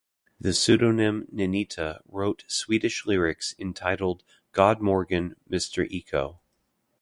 The pseudonym Ninita wrote Swedish lyrics entitled "Godmorgon, Mr. Eko".